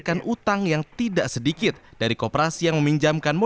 anaknya di depan itu keadaan begitu